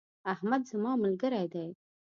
احمد زما ملګری دی.